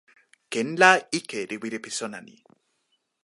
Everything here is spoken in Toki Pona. ken la ike li wile pi sona ni.